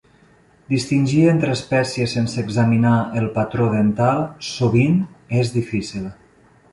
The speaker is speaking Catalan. Distingir entre espècies sense examinar el patró dental sovint és difícil.